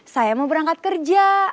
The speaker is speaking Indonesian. saya mau berangkat kerja